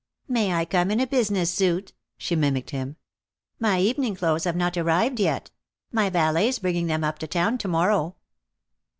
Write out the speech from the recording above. "'May I come in a business suit?'" she mimicked him. "My evening clothes have not arrived yet. My valet's bringing them up to town to morrow."